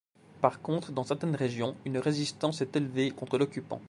Par contre, dans certaines régions, une résistance s'est élevée contre l'occupant.